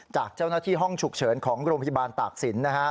จากเจ้าหน้าที่ห้องฉุกเฉินของโรงพยาบาลตากศิลป